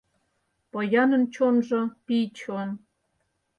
Поянын чонжо — пий чон.